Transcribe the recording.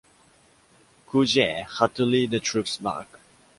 Ku Jie had to lead the troops back.